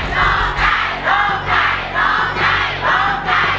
ร้องได้ร้องได้ร้องได้